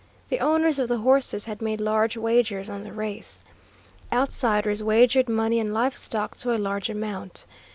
The owners of the horses had made large wagers on the race. Outsiders wagered money and livestock to a large amount.